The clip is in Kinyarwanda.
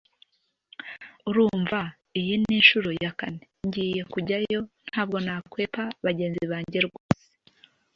urumva iyi ni inshuro ya kane ngiye kujyayo ntabwo nakwepa bagenzi banjye rwose